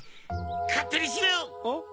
かってにしろ！